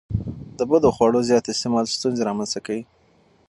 د بدخواړو زیات استعمال ستونزې رامنځته کوي.